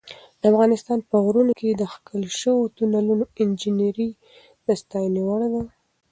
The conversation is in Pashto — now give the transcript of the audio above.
د افغانستان په غرونو کې د کښل شویو تونلونو انجینري د ستاینې وړ ده.